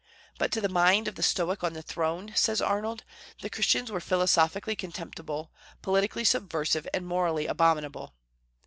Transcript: But to the mind of the Stoic on the throne, says Arnold, the Christians were "philosophically contemptible, politically subversive, and morally abominable."